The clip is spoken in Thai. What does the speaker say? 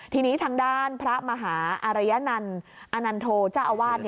ทีนี้ทางด้านพระมหาอารยนันต์อนันโทเจ้าอาวาส